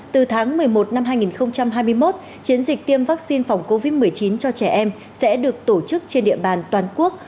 từ tháng một mươi một năm hai nghìn hai mươi một chiến dịch tiêm vaccine phòng covid một mươi chín cho trẻ em sẽ được tổ chức trên địa bàn toàn quốc